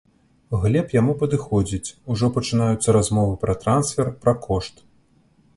Глеб яму падыходзіць, ужо пачынаюцца размовы пра трансфер, пра кошт.